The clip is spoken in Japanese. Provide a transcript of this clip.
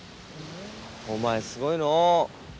お前すごいのう。